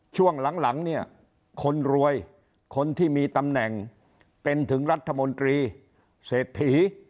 ช่วงหลังเนี่ยคนรวยคนที่มีตำแหน่งเป็นถึงรัฐมนตรีเศรษฐี